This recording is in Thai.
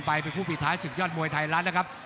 ไปเป็นผู้ปิดท้ายสุขยอดมวยไทยรัตร์นะครับ